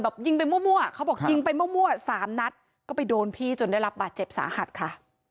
ยิงไปมั่วเขาบอกยิงไปมั่วสามนัดก็ไปโดนพี่จนได้รับบาดเจ็บสาหัสค่ะ